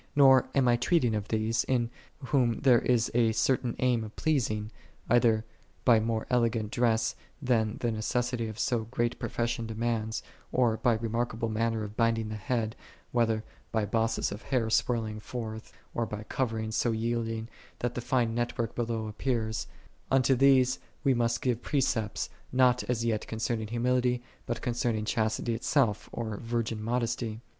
Nor am I treating of these, in whom there is a certain aim of pleasing, either by more ele gant dress than the necessity of so great pro fession demands, or by remarkable manner of binding the head, whether by bosses of hair swelling forth, or by coverings so yield ing, that the fine net work below appears: unto these we must give precepts, not as yet concerning humility, but concerning chastity itself, or virgin modesty.